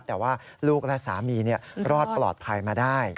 แต่ว่าลูกและสามีรอดปลอดภัยมาได้